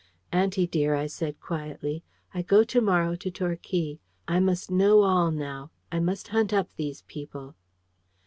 "Auntie dear," I said quietly, "I go to morrow to Torquay. I must know all now. I must hunt up these people."